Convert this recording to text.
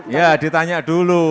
ya ditanya dulu